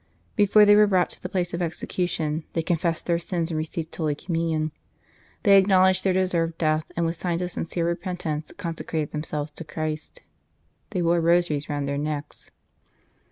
Before they were brought to the place of execution, they confessed their sins and received Holy Communion. They acknow ledged they deserved death, and with signs of sincere repentance consecrated themselves to Christ. They wore rosaries round their necks.